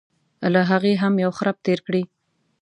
له هغې هم یو خرپ تېر کړي.